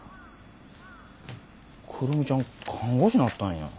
久留美ちゃん看護師なったんや。